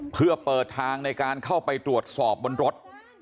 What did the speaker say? เพื่อเปิดทางในการเข้าไปตรวจสอบบนรถ